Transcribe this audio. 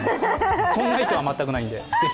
そんな意図は全くないので、ぜひ。